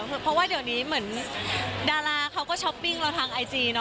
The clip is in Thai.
เพราะว่าเดี๋ยวนี้เหมือนดาราเขาก็ช้อปปิ้งเราทางไอจี